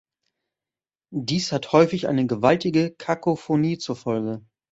Dies hat häufig eine gewaltige Kakophonie zur Folge.